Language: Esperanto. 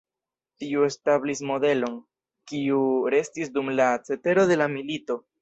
Tio establis modelon, kiu restis dum la cetero de la milito.